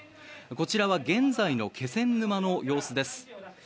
こちらは現在の気仙沼の様子です。